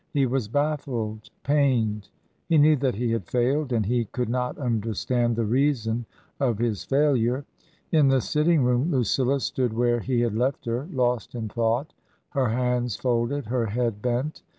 He was baffled, pained ; he knew that he had failed, and he could not understand the reason of his failure. In the sitting room Lucilla stood where he had left her, lost in thought — her hands folded, her head bent.